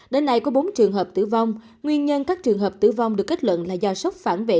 đến nay có bốn trường hợp tử vong nguyên nhân các trường hợp tử vong được kết luận là do sốc phản vệ